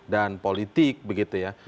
dan politik begitu ya